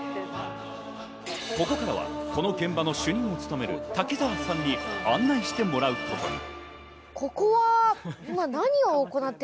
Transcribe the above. ここからはこの現場の主任を務める滝澤さんに案内してもらうことに。